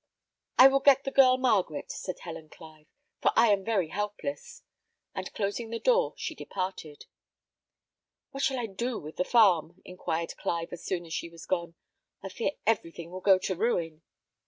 "I will get the girl Margaret," said Helen Clive, "for I am very helpless." And closing the door, she departed. "What shall I do with the farm?" inquired Clive, as soon as she was gone. "I fear everything will go to ruin."